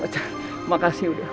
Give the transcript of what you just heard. pak ah pak fuck